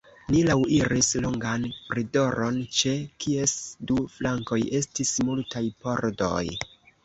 Ni laŭiris longan koridoron, ĉe kies du flankoj estis multaj pordoj.